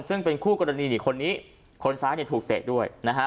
ซึ่งเป็นคู่กรณีนี่คนนี้คนซ้ายเนี่ยถูกเตะด้วยนะฮะ